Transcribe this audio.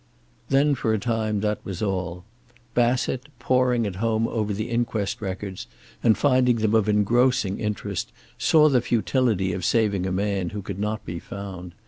Then, for a time, that was all. Bassett, poring at home over the inquest records, and finding them of engrossing interest, saw the futility of saving a man who could not be found.